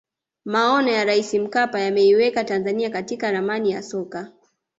maono ya raisi mkapa yameiweka tanzania katika ramani ya soka